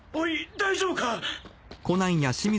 大丈夫か？